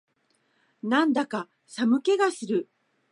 なんだか寒気がする